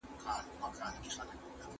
د علم او پوهې د خپریدو په هیله.